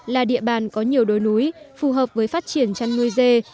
là địa bàn có nhiều đồi núi phù hợp với phát triển chăn nuôi dê